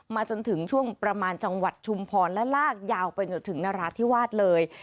จนถึงช่วงประมาณจังหวัดชุมพรและลากยาวไปจนถึงนราธิวาสเลย